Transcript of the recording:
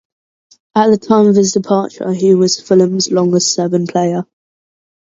At the time of his departure, he was Fulham's longest-serving player.